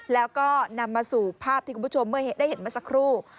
แล้วก็นำมาสู่ภาพที่คุณผู้ชมได้เห็นมาสักครู่